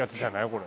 これ。